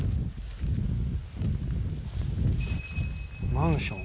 「マンション？」